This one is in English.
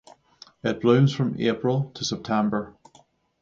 It blooms from April to September.